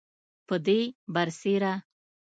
پدې برسیره